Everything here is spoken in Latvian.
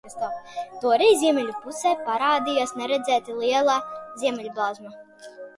Toreiz ziemeļu pusē parādījās neredzēti liela ziemeļblāzma.